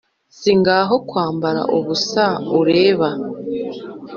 sigaho kwambara ubusa ureba